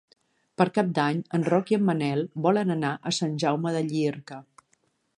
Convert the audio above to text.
Per Cap d'Any en Roc i en Manel volen anar a Sant Jaume de Llierca.